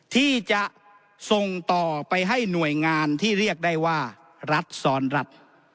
ที่จะส่งต่อไปให้หน่วยงานที่เรียกได้ว่ารัฐซ้อนรัฐ